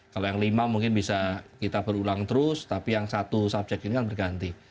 kalau yang lima mungkin bisa kita berulang terus tapi yang satu subjek ini kan berganti